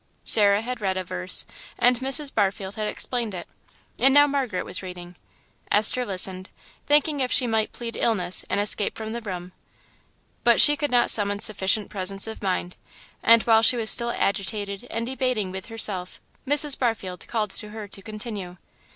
Sarah had read a verse, and Mrs. Barfield had explained it, and now Margaret was reading. Esther listened, thinking if she might plead illness and escape from the room; but she could not summon sufficient presence of mind, and while she was still agitated and debating with herself, Mrs. Barfield called to her to continue.